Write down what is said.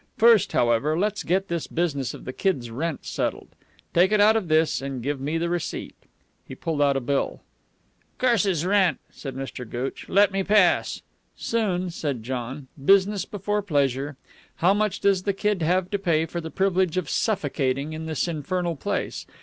"First, however, let's get this business of the kid's rent settled. Take it out of this and give me the receipt." He pulled out a bill. "Curse his rent," said Mr. Gooch. "Let me pass." "Soon," said John. "Business before pleasure. How much does the kid have to pay for the privilege of suffocating in this infernal place?